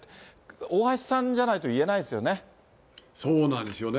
大橋さんじゃないと言えないですよね。